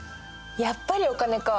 やっぱりお金か！